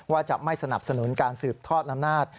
ว่าจะไม่สนับสนุนการสืบทอดอำนาจ